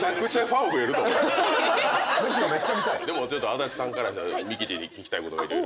足立さんからミキティに聞きたいことが色々あるという。